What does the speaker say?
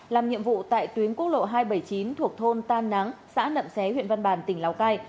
làm nhiệm vụ tại tuyến quốc lộ hai trăm bảy mươi chín thuộc thôn tam nắng xã nậm xé huyện văn bàn tỉnh lào cai